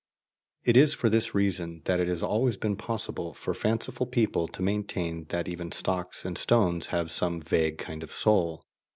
It is for this reason that it has always been possible for fanciful people to maintain that even stocks and stones have some vague kind of soul.